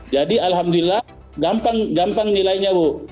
jadi alhamdulillah gampang nilainya bu